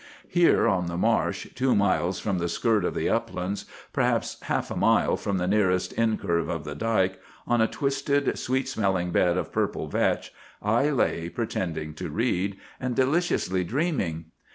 "Here on the marsh, two miles from the skirt of the uplands, perhaps half a mile from the nearest incurve of the dike, on a twisted, sweet smelling bed of purple vetch, I lay pretending to read, and deliciously dreaming.